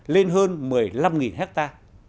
lên hơn một mươi năm ha